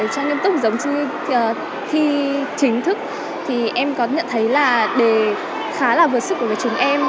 cho nghiêm túc giống như khi chính thức thì em có nhận thấy là đề khá là vượt sức với chúng em